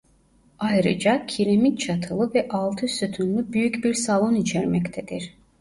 Ayrıca kiremit çatılı ve altı sütunlu büyük bir salon içermektedir.